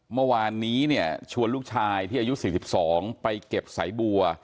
เมื่อวานนี้เนี่ยชวนลูกชายที่อายุ๔๒ไปเก็บสายบัว